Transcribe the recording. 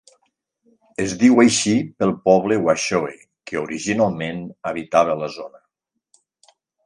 Es diu així pel poble Washoe que originalment habitava la zona.